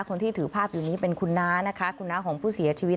คนที่ถือภาพอยู่นี้เป็นคุณน้านะคะคุณน้าของผู้เสียชีวิต